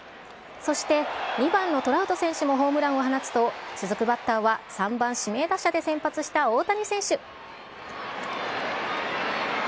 そして２番のトラウト選手もホームランを放つと、続くバッターは３番、指名打者で先発した大谷選手。